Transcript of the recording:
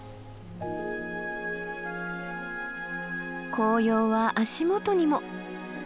紅葉は足元にも。